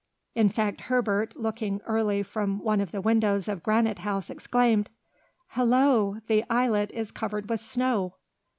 In fact Herbert, looking early from one of the windows of Granite House, exclaimed, "Hallo! the islet is covered with snow!"